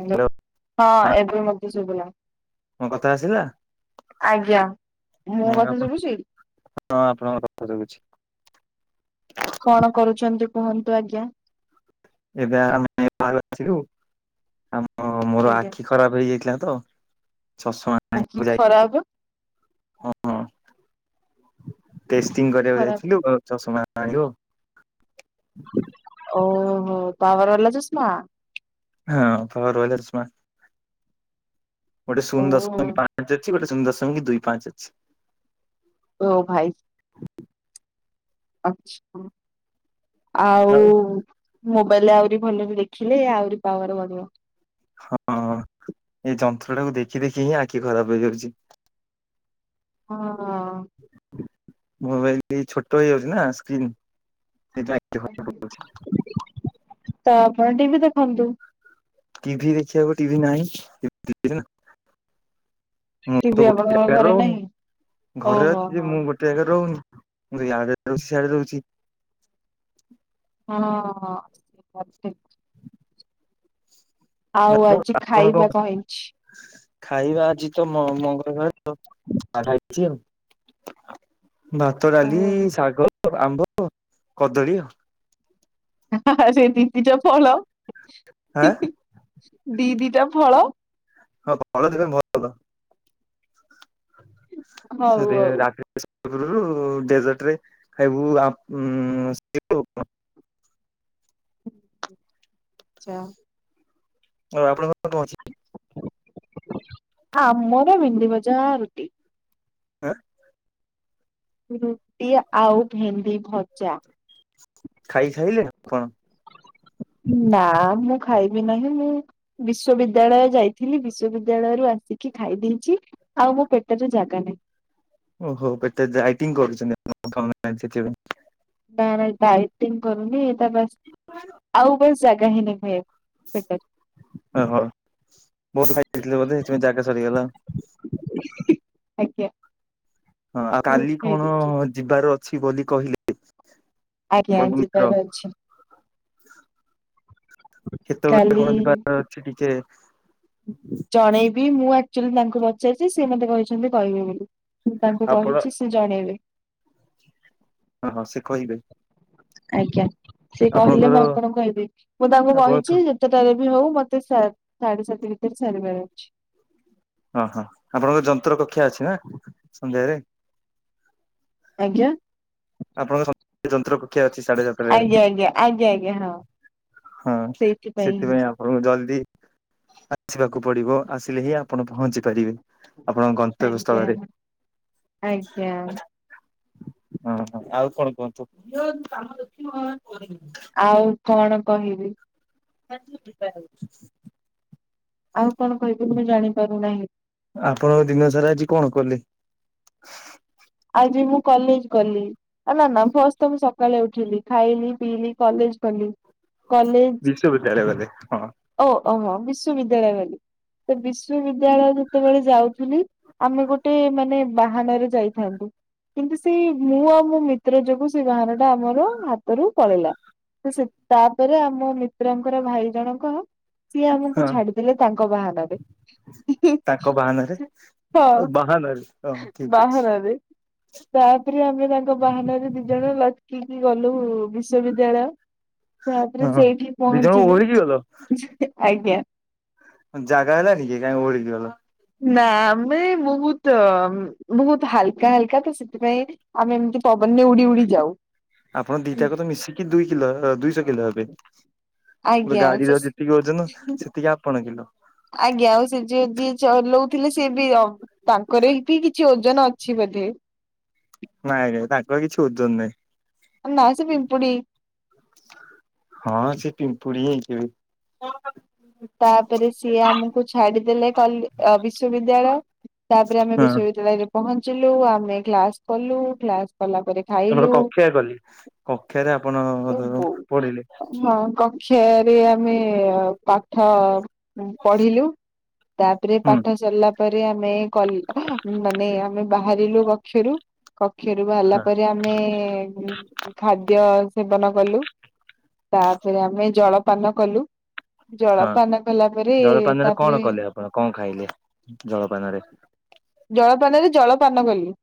Hello hello ହଁ ଏବେ ମତେ ଶୁଭିଲା। ମୋ କଥା ଆସିଲା। ଆଜ୍ଞା ମୁଁ ହୁଁ କଥା ଆପଣ ଶୁଭୁଛି। ହଁ ଆପଣଙ୍କ କଥା ଶୁଭୁଛି। କଣ କରୁଛନ୍ତି କୁହନ୍ତୁ ଆଜ୍ଞା। ଏବେ ଆମେ ବାହାରୁ ଆସିଲୁ ଆମ ମୋର ଆଜ୍ଞା। ଆଖି। ଖରାପ ହେଇଯାଇଥିଲା ତ ଚଷମା ଆଖି ଆଣିବାକୁ ଯାଇଥିଲୁ। ଖରାପ ହ ହଁ ଟେଷ୍ଟିଂ କରିବାକୁ ଖରାପ। ଯାଇଥିଲୁ ଆଉ। ଚଷମା ଆଣିଲୁ। ଓହୋ ପାୱାର ବାଲା ଚଷମା। ହଁ ପାୱାର ବାଲା ଚଷମା। ଗୋଟେ ଶୂନ ଓହୋ। ଦଶମିକ ପାଞ୍ଚ ଅଛି ଗୋଟେ ଶୂନ ଦଶମିକ କି ଦୁଇ ପାଞ୍ଚ ଅଛି। ଓ ଭାଇ। ଆଛା ଆଉ। ମୋବାଇଲରେ ଆହୁରି ଭଲରେ ଦେଖିଲେ ଆହୁରି ପାୱାର ବଢିବ। ହଁ ଏଇ ଯନ୍ତ୍ର ଟାକୁ ଦେଖି ଦେଖି ହିଁ ଆଖି ଖରାପ ହେଇଯାଉଛି। ହଁ। ମୋବାଇଲ ଛୋଟ ହେଇଯାଉଛି ନା ସ୍କ୍ରିନ। ତ ଆପଣ ଟିଭି ଦେଖନ୍ତୁ। ଟିଭି ଦେଖିବାକୁ ଟିଭି ନାହିଁ। ମୁଁ ଟିଭି ତ ଗୋଟେ ଆପଣଙ୍କ ଜାଗାରେ ଘରେ ରହୁନି ନାହିଁ? ଘରେ ଓହୋ ଅଛି ଯେ ହୋ ମୁଁ ଗୋଟେ ମୁଁ ତ ଏଵେ ରହୁନି, ମୁଁ ଇଆଡ଼େ ରହୁଛି ସିଆଡେ ରହୁଛି। ହଁ-ଅ ସଠିକ। ଆଉ ଆଜି ଆପଣଙ୍କ ଖାଇବା କଣ ହେଇଛି? ଖାଇବା ଆଜି ତ ମ ମଙ୍ଗଳବାର ଆଉ ଖାଇଛି ଆଉ ଭାତ, ଡାଲି, ଶାଗ, ଆମ୍ବ, କଦଳୀ ହା-ହା-ହା ସେ ଦି ଦିଟା ଫଳ ଆଁ ଦି ଦିଟା ଫଳ ହଁ ଫଳ ଦିଟା ଧ ହଉ ସେଦି ହଉ ରାତି ରୁ ଡେଜର୍ଟ ରେ ଖାଇବୁୁ [inaudible] ଆଛା। ଆଉ ଆପଣଙ୍କଣ ପହଞ୍ଚି? ହଁ ଆମର ଭେଣ୍ଡି ମଜା ରୁଟି ଏଁ ରୁଟି ଆଉ ଭେଣ୍ଡି ଭଜା। ଖାଇସାରିଲେଣି ଆପଣ? ନାଆ ମୁଁ ଖାଇବି ନାହିଁ ମୁଁ ବିଶ୍ଵବିଦ୍ୟାଳୟ ଯାଇଥିଲି ବିଶ୍ଵବିଦ୍ୟାଳୟରୁୁ ଆସିକି ଖାଇ ଦେଇେଛି। ଆଉ ମୋ ପେଟରେ ଜାଗା ନାହିଁ। ଓହୋ ଏତେ ଡାଇଟିଙ୍ଗ କରୁଛନ୍ତି ଖାଉ ନାହାନ୍ତି ଥିବ ନା ନା ଡାଇଟିଙ୍ଗ କରୁନି ଏଇଟା ବାସ୍, ଆଉ ବସ୍ ଜାଗା ହିଁନି ଖାଇବା ପାଇଁ ଓହୋ, ବହୁତ ଖାଇାଦେଇଥିଲେ ବୋଧେ ସେଥିପାଇଁ ଜାଗା ସରିଗଲା। ଆଜ୍ଞା। ହଁ ଆଉ ମୁଁ କାଲି ଖାଇ କଣ ଦେଇଛି ଅ ଯିବାର ଅଛି ବୋଲି କହିଲେ? ଆଜ୍ଞା ଆପଣଙ୍କ ମିତ୍ର ଯିବାର ଅଛି। କେତେବେଳେ କାଲି କଣ ଯିବାର ଅଛି ଟିକେ ଜଣେଇବି ମୁଁ ଆକ୍ଚଲି ତାଙ୍କୁ ପଚାଇଛି, ସେ ମତେ କହିଛନ୍ତି କହିବେ ବୋଲି ମୁଁ ତାଙ୍କୁ ଆପଣ କହିଛି ସି ଜଣେଇବି। ହଁ, ହଁ, ସେ କହିବେ। ଆଜ୍ଞା ସେ କହିଲେ ଆପଣଙ୍କର ମୁଁ ଆପଣ କହିବି? ମୁଁ ତାଙ୍କୁ ଆପଣଙ୍କ କହିଛି। ତେଟାରେ ବି ହଉ ମତେ ସା ସାଢେ ସାତ ଭିତରେ ସାରିବାର ଅଛି। ଅଁ ହ ଆପଣଙ୍କ ଯନ୍ତ୍ର କକ୍ଷା ଅଛି ନା ସନ୍ଧ୍ୟାରେ। ଆଜ୍ଞା। ଆପଣଙ୍କ [inaudible] ଯନ୍ତ୍ର କକ୍ଷା ଅଛି ସାଢେ ସାତଟାରେ। ଆଜ୍ଞା ଆଜ୍ଞା, ଆଜ୍ଞା, ହଁ। ହଁ ସେଇଥିପାଇଁ ସେଥିପାଇଁ ଆପ୍ ଓ ଜଲ୍ଦି ଆଛିବାକୁ ପଡିବ ଆସିଲେ ହିଁ ଆପଣ ପହଞ୍ଚି ପାରିବେ। ଆପଣଙ୍କ ଗନ୍ତବ୍ୟ ଆଜ୍ଞା ସ୍ଥଳରେ। ଆଜ୍ଞା ହଁ, ହ ଆଉ କଣ କୁହନ୍ତୁ? ଆଉ କଣ କହିବି। [unintelligible] ବିବା [unintelligible] ଆଉ କଣ କହିବି ମୁଁ ଜାଣିପାରୁନାହିଁ। ଆପଣଙ୍କ ଦିନ ସାରା ଆଜି କଣ କଲେ? ଆଜି ମୁଁ, କଲେଜ ଗଲି। ହେଲେ ନା ଫଷ୍ଟ ତ ମୁଁ ସକାଳେ ଉଠିଲି। ଖାଇଲିି, ପିଇଲିି କଲେଜ ଗଲି। କଲେଜ ବିଶ୍ୱ ବିଦ୍ୟାଳୟ ଗଲେ ହଁ। ଓ ଓହ! ବିଶ୍ୱବିଦ୍ୟାଳୟ ଗଲି ତ ବିଶ୍ୱବିଦ୍ୟାଳୟ ଯେତେବେଳେ ଯାଉଥିଲି, ଆମେ ଗୋଟେ ମାନେ ବାହାନରେ ଯାଇ ଥାନ୍ତୁ କିନ୍ତୁ ସେଇ ମୁଁ ଆଉ ମୋ ମିତ୍ର, ଯୋଗୁ ସେ ବାହାର ଟା ଆମର ହାତରୁ ପଳେଇିଲା। ସେ ତାପରେ ଆମ ମିତ୍ରଙ୍କର ଭାଇ ଜଣଙ୍କ ସିଏ ହଁ ଆମକୁ ଛାଡିଦେଲେ ତାଙ୍କ ବାହାନାରେ। ତାଙ୍କ ବାହାନାରେ, ହଁ ବାହାନାରେ ହଁ ଠିକ ଅଛି। ବାହାନାରେ ତାପରେ ଆମେ ତାଙ୍କ ବାହାନାରେ ଦି ଜଣ ଲକ୍କି ଗଲୁ ବିଶ୍ଵବିଦ୍ୟାଳୟ ତା ପରେ ହଁ। ସେଇଠି ଦି ଜଣ ପହଞ୍ଚିଲୁ। ଓହଳିକି ଗଲ ହେ ଆଜ୍ଞା। ଜାଗା ହେଲାନି କି କାଇଁ ଓହଳିକି ଗଲ? ନା ଆମେ ବହୁତ ବହୁତ ହାଲକା, ହାଲକା ତ ସେଥିପାଇଁ ଆମେ ଏମିତି ପବନରେ ଉଡି ଉଡି ଯାଉ। ଆପଣ ଦିଟା ଯାକ ମିଶିକି ଦୁଇ କିଲୋ ଦୁଇଶହ କିଲୋ ହେବେ। ଫୁଣି ଆଜ୍ଞା ସେ ଗାଡିର ଯେତିକି ଓଜନ, ସେତିକି ଆପଣ କିଲ। ଆଜ୍ଞା ଆଉ ସେଏ ଯିଏ ଯିଏ ଚଲଉ ଥିଲେ ସେ ବି ଆଉ ତାଙ୍କର ବି କିଛି ଓଜନ ଅଛି ବୋଧେ? ନାଁଇ ନାଁଇ ତାଙ୍କର କିଛି ଓଜନ ନାଁଇ। ନା ସେ ପିମ୍ପୁଡ଼ି। ହଁ ସେ ପିମ୍ପୁଡି ହେଇଥିବେ। ତାପରେ ସିଏ ଆମକୁ ଛାଡିଦେଲେ କଲ ବିଶ୍ଵବିଦ୍ୟାଳୟ ତାପରେ ଆମେ ହଁ ବିଶ୍ୱବିଦ୍ୟାଳୟରେ ପହଞ୍ଚିଲୁ। ଆମେ କ୍ଲାସ କଲୁ କ୍ଳାସ କଲା ପରେ ତାପର ଖାଇଲୁ କକ୍ଷିଆ କଲି। କକ୍ଷିୟରେ ଆପଣ ପଢିଲେ। ହଁ କକ୍ଷିଆରେ ଆମେ ଠ ପଢିଲୁ ତାପରେ ହୁଁ ପାଠ ସରିଲା ତାପରେ ଆମେ କଲୁ, ମାନେ ଆମେ ବାହାରିଲୁ କକ୍ଷରୁ କକ୍ଷରୁ ବାହାରିଲା ହଁ ପରେ ଆମେ ଖାଦ୍ୟ ସେବନ କଲୁ, ତାପରେ ଆମେ ଜଳପାନ କଲୁ। ହଁ। ଜଳପାନ କଲା ପରେ ଜଳପାନରେ କଣ ତାପରେ କଲେ କଣ ଖାଇଲେ ଜଳପାନରେ? ଜଳପାନରେ ଜଳପାନ କଲି।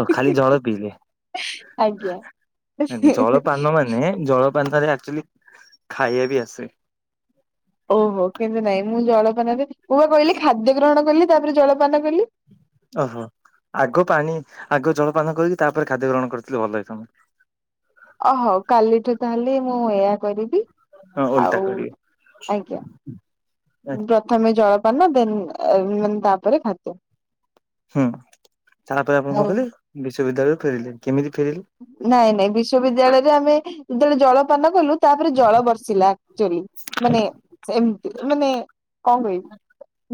ଓ ଖାଲି ଜଳ ପିଇଲେ? ଆଜ୍ଞା ଜଳପାନ ମାନେ ଜଳପାନରେ ଅଚ୍ୟୁଲି ଖାଇବା ବି ଆସେ। ଓହୋ କିନ୍ତୁ ନାଇଁ। ମୁଁ ଜଳପାନରେ ମୁଁ ବା କହିଲି, ଖାଦ୍ୟ ଗ୍ରହଣ କଲି ତାପରେ ଜଳପାନ କଲି। ଓ ହୋ ଆଗ ପାଣି ଆଗ ଜଳପାନ କରିକି ତାପରେ ଖାଦ୍ୟ ଗ୍ରହଣ କରିଥିଲେଭଲ ହେଇଥାନ୍ତି। ଅ ହଉ କାଲିଠୁ ତାହେଲେ ମୁଁ ଏଆ କରିବି। ହଁ ଓଲଟା ଆଉ କରିବେ। ଆଜ୍ଞା। ପ୍ରଥମେ ଜଳପାନ ଦେନ୍ ମେ ତାପରେ ଖାଦ୍ୟ। ହୁଁ ତାପରେ ଆପଣ କଣ ହଉ କହିଲେ [unintelligible] ବିଶ୍ୱବିଦ୍ୟାଳୟରୁ ଫେରିଲେ କେମିତି ଫେରିଲେ? ନାଇଁ ନାଇଁ ବିଶ୍ଵବିଦ୍ୟାଳୟରେ ଆମେ ଯେତେବେଳେ ଜଳପାନ କଲୁ ତାପରେ ଜଳ ବର୍ଷିଲା ଆଚ୍ୟୁଲି ମାନେ ସେମିତି ମାନେ କଁ କହିବି,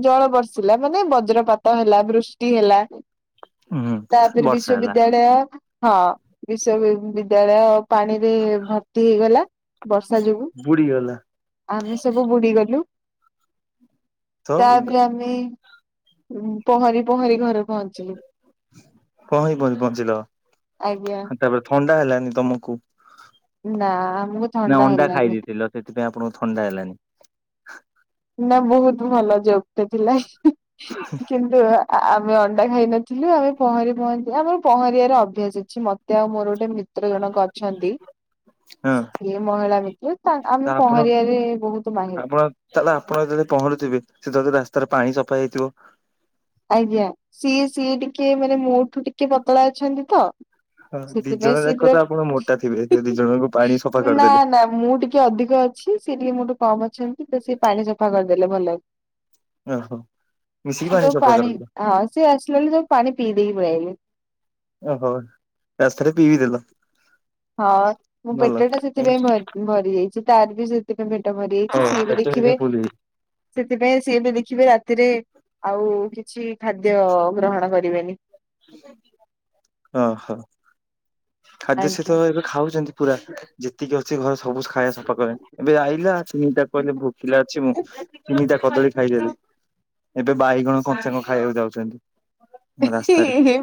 ଜଳ ବର୍ଷିଲା ମାନେ ବଜ୍ରପାତ ହେଲା ବୃଷ୍ଟି ହେଲା। ହୁଁ ତାପରେ ବର୍ଷା ହେଲା। ବିଶ୍ଵବିଦ୍ୟାଳୟ ହଁ ବିଶ୍ଵ ବି ବିଦ୍ୟାଳୟ ପାଣି ରେ ଭର୍ତ୍ତି ହେଇଗଲା ବର୍ଷା ଯୋଗୁ। ବୁଡିଗଲା ଆମେ ସବୁ ବୁଡିଗଲୁ, ତ ତାପରେ ଆମେ ପହଁରି ପହଁରି ଘରେ ପହଞ୍ଚିଲୁ। ପହଁରି ପହଁରି ପହଞ୍ଚିଲ, ଆଜ୍ଞା ତାପରେ ଥଣ୍ଡା ହେଲାନି ତମକୁ? ନା ଆମକୁ ନା ଥଣ୍ଡା ଅଣ୍ଡା ଖାଇ ହେଲାନି। ଦେଇଥିଲ ସେଥିପାଇଁ ଆପଣଙ୍କୁ ଥଣ୍ଡା ହେଲାନି। ନା ବୋହୁତ ଭଲ ଜୋକ୍ ଟେ ଥିଲା ହି କିନ୍ତୁ ଆମେ ଅଣ୍ଡା ଖାଇନଥିଲୁ ଆମେ ପହଁରି ପହଁରି ଆମର ପହଁରିବାର ଅଭ୍ୟାସ ଅଛି, ମତେ ଆଉ ମୋର ଗୋଟେ ମି ତ୍ର ଜଣକ ଅଛନ୍ତି ହଁ ସିଏ ମହିଳା ମିିତ, ତା ତ ଆମେ ଆପଣ ପହଁରି ବାରେ ବୋହୁତ ମାହିରି। ଆପଣ ତାହେଲେ ଆପଣ ଯେତେ ପହଁରୁଥିବେ, ସେତେଳେ ତ ରାସ୍ତାରେ ପାଣି ସଫା ହେଇଥିବ? ଆଜ୍ଞା, ସିଏ ସିଏ ଟିକେ ମାନେ ମୋ ଠୁ ଟିକେ ପତଳା ଅଛନ୍ତି ତ ଦି ଜଣ ସେଥିପାଇଁ ସିଏ ଯାକ ପୁରା ତ ଆପଣ ମୋଟା ଥିବେ ସେ ଦି ଜଣଙ୍କୁ ପାଣି ସଫା ହୁ-ହୁ ନାଁ କରିଦେଲେ ନାଁ ମୁଁ ଟି କେ ଅଧିକ ଅଛି ସିଏ ଟିକେ ମୋ ଠୁ କମ୍ ଅଛନ୍ତି ତ ସିଏ ପାଣି ସଫା କରିଦେଲେ ଭଲକି। ଓହୋ ମିଶିକି ପାଣି ସଫା କରୁଚ? ହଁ ସିଏ ଆସିଲା ବୋଲି ସବୁ ପାଣି ପିଇ ଦେଇକି ପଳିଆଇଲି। ଓହୋ ରାସ୍ତାରେ ପି ବି ଦେଲ? ହଁ ମୋ ଭଲ ପେଟ ଟା ସେଥିପାଇଁ ଭରି ଯାଇଛି ତାର ବି ସେ ଟିକେ ପେଟ ଭରି ଯାଇଛି, ହଉ ସିଏ ବି ପେଟ ଦେଖିବେ ଫୁଲ ସେଥିପାଇଁ ସିଏ ବି ଦେଖିବେ ରାତିରେ ଆଉ-ଉ କିଛି ଖାଦ୍ୟ-ଅ ଗ୍ରହଣ କରିବେନି। ଓହୋ, ଖାଦ୍ୟ ଆଜ୍ଞା। ସିଏତ ଏବେ ଖାଉଛନ୍ତି ପୁରା। ଯେତିକି ଅଛି ଘରେ ସବୁ ଖାଇଆ ସଫା କରେ, ଏବେ ଆଇିଲା ଚିନିଟା କହିଲେ ଭୋକିଲା ଅଛି ମୁଁ ତିନିଟା କଦଳୀ ଖାଇଦେଲେ, ଏବେ ବାଇଗଣ କଞ୍ଚା କଁ ଖାଇବାକୁ ଯାଉଛନ୍ତି? ଇହି ରାସ୍ତାରେ ହି ହି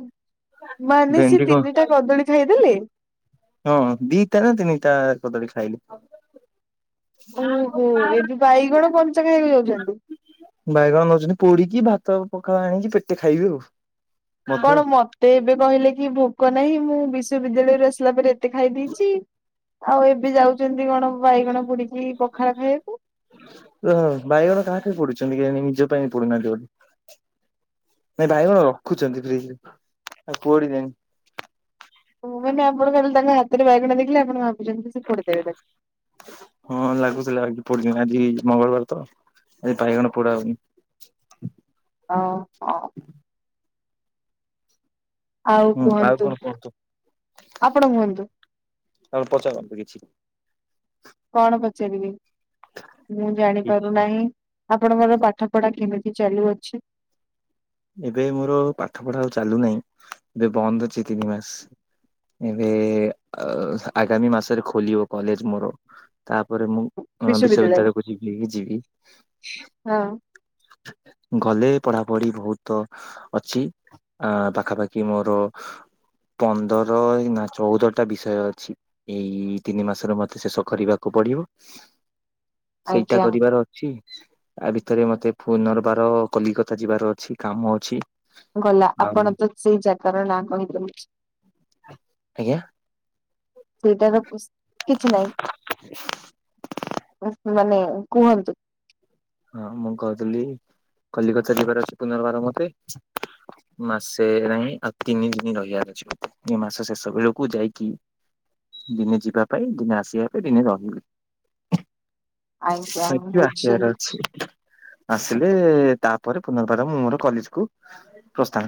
ମାନେ ଭେଣ୍ଡି ସିଏ କଣ ତିନିଟା କଦଳୀ ଖାଇଦେଲେ? ହଁ ଦିଟା ନା ତିନିଟା କଦଳୀ ଖାଇଲେ। ଓହୋ ଏବେ ବାଇଗଣ କଞ୍ଚା ଖାଇଆକୁ ଯାଉଛନ୍ତି? ବାଇଗଣ ନୋଉଛନ୍ତି ପୋଡିକି ଭାତ ପଖାଳ ଆଣିକି ପେଟେ ଖାଇବି ଆଉ। ମଧ୍ୟ କଣ ମତେ ଏବେ କହିଲେ କି ଭୋକ ନାହିଁ ମୁଁ ବିଶ୍ଵବିଦ୍ୟାଳୟରୁ ଆସିଲା ପରେ ଏତେ ଖାଇ ଦେଇଚି। ଆଉ ଏବେ ଯାଉଚନ୍ତି କଣ ବାଇଗଣ ପୋଡିକି ପଖାଳ ଖାୟାକୁ? ତ ବାଇଗଣ କାହା ପାଇଁ ପୋଡିଛନ୍ତି କେୟାଣି କେହିି ନିଜ ପାଇଁ ପୋଡିନାହାନ୍ତି ବୋଧେ? ନାଇଁ ବାଇଗଣ ରଖୁଛନ୍ତି ଫ୍ରିଜରେ ଆଉ କୁଆଡି ଜାଇନି। ହଁ ମାନେ ଆପଣ ଖାଲି ତାଙ୍କ ହାତରେ ବଇଗଣ ଦେଖିଲେ ଆପଣ ଭାବୁଛନ୍ତି କି ସେ ପୋଡି ଦେବେ ତାକୁ? ହଁ ଲାଗୁଥିଲା ଆ ପୋଡିଦେମି ଆଜି ମଙ୍ଗଳବାର ତ ଆଜି ବାଇଗଣ ପୋଢା ହ ଓହୋ। ଆଉ ହୁଁ କୁହନ୍ତୁ, କଣ କୁହନ୍ତୁ ଆପଣ କୁହନ୍ତୁ? ଆଉ ପଚାରନ୍ତୁ କିଛି। କଣ ପଚାରିବି ମୁଁ କିଛି ଜାଣିପାରୁନାହିଁ? ଆପଣଙ୍କର ପାଠ ପଢା କେମିତି ଚାଲୁଅଛି? ଏବେ ମୋର ପାଠ ପଢା ଆଉ ଚାଲୁନାହିଁ, ଏବେ ବନ୍ଦ ଅଛି ତିନି ମାସ। ଏବେ-ଏ ଆ ଆଗାମୀ ମାସରେ ଖୋଲିବ କଲେଜ ମୋର ତାପରେ ମୁଁ ହଁ ବିଶ୍ୱବିଦ୍ୟାଳୟ? ବିଶ୍ୱବିଦ୍ୟାଳୟକୁ ଯିବି ହିଁ ଯିବି। ହଁ ଗଲେ ପଢାପଢି ଭୋଉତ୍ ତ ଅଛି ଆ ପାଖାପାଖି ମୋର ପନ୍ଦର ନା ଚଉଦଟା ବିଷୟ ଅଛି। ଏଇ ତିନି ମାସରେ ମତେ ଶେଷ କରିବାକୁ ପଡିବ। ସେଇଟା ଆଜ୍ଞା କରିବାର ଅଛି। ଆ ଭିତରେ ମତେ ପୁନର୍ବାର କଲିକତା ଯିବାର ଅଛି। କାମ ଅଛି। ଗଲା ଆଉ ଆପଣ ତ ସେଇ ଜାଗାର ନାଁ କହି ଦେଲେ। ଆଜ୍ଞା ସେଇଟାର, କୋସ୍ କିଛି ନାହିଁ। ମାନେ, କୁହନ୍ତୁ। ହଁ ମୁଁ କହୁଥିଲି, କଲିକତା ଯିବାର ଅଛି ପୁନର୍ବାର ମତେ। ମାସେ ନାହିଁ। ଆଉ ତିନି ଦିନ ରହିବାର ଅଛି। ମୋତେ ଏ ମାସ ସେଷବେଳକୁ ଯାଇକି। ଦିନେ ଯିବା ପାଇଁ, ଦିନେ ଆସିବା ପାଇଁ, ଦିନେ ରହିବି। ଆଜ୍ଞା ଆଜି ବୁଝିଲି ଆସିବାର [inaudible] [unintelligible] ଆସିଲେ, ତାପରେ ପୁନର୍ବାର ମୁଁ ମୋର କଲେଜ କୁ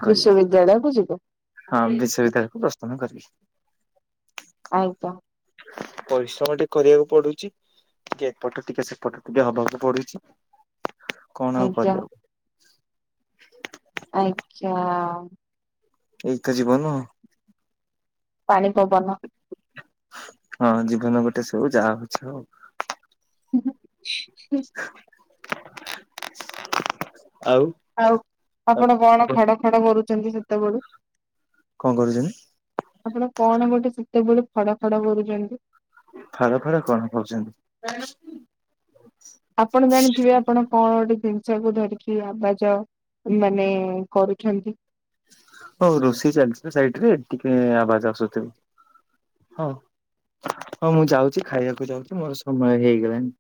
ବିଶ୍ୱବିଦ୍ୟାଳୟ କୁ ଯିବ। ହଁ ବିଶ୍ୱବିଦ୍ୟାଳୟ କୁ ପ୍ରସ୍ତନ କରିବି। ଆଜ୍ଞା! [unintelligible] ପରିଶ୍ରମ ଟିକେ କରିବାକୁ ପଡୁଛି। ଟିକେ ଏପଟ, ଟିକେ ସେପଟ, ଟିକେ ହବାକୁ ପଡୁଛି। କଣ ଆଉ ଆଜ୍ଞା କରିଵା। ଆଚ୍ଛା। ଏଇ ତ ଜୀବନ। ପାଣି ପବନ। ହଁ ଜୀବନ ଗୋଟେ ସବୁ, ଯାହା ହଉଛି ହଉ। ହୁଁ। ଆଉ ଆଉ, ଆପଣ କଣ ଖଡ ଖଡ କରୁଛନ୍ତି? ସେତେବେଳୁ। କଣ କରୁଛନ୍ତି? ଆପଣ କଣ ଗୋଟେ ସେତେବେଳେୁ ଫଡ ଫଡ କରୁଛନ୍ତି? ଫର ଫର କଣ ହଉଛନ୍ତି? ଆପଣ ଜାଣିଥିବେ, ଆପଣ କଣ ଗୋଟେ ଜିନିଷ କୁ ଧରିକି ଆବାଜ ମାନେ, କରୁଛନ୍ତି। ହଉ ରୋଷେଇ ଚାଲିଛି ସାଇଡ ରେ, ଟିକେ ଆବାଜ। ଆସୁଥିବ। ହଁ। ହଁ ମୁଁ ଯାଉଛି ଖାଇବାକୁ ଯାଉଛି। ମୋର ସମୟ ହେଇଗଲାଣି।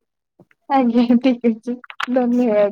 ଆଜ୍ଞା। ଠିକ୍ ଅଛି ଧନ୍ୟବାଦ।